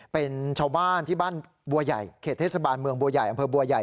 เป็นชาวบ้านที่บ้านบัวใหญ่เขตเทศบาลเมืองบัวใหญ่อำเภอบัวใหญ่